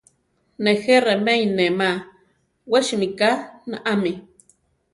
Nejé remé inéma, we simíka naámi.